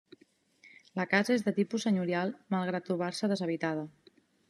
La casa és de tipus senyorial malgrat trobar-se deshabitada.